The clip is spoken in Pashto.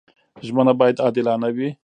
ژمنه باید عادلانه وي.